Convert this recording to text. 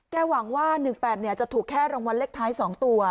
แก้หวังว่าหนึ่งแปดเนี่ยจะถูกแค่รางวัลเลขท้ายสองตัว